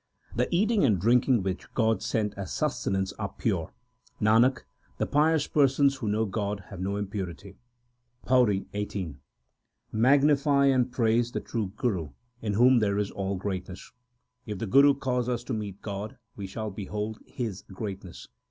The eating and drinking which God sent as sustenance are pure. Nanak, the pious persons who know God have no impurity. PAURI XVIII Magnify and praise the True Guru in whom there is all greatness. If the Guru cause us to meet God, we shall behold His greatness.